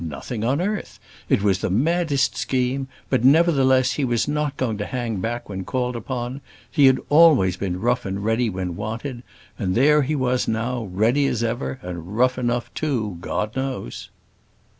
Nothing on earth: it was the maddest scheme, but nevertheless, he was not going to hang back when called upon he had always been rough and ready when wanted, and there he was now ready as ever, and rough enough too, God knows."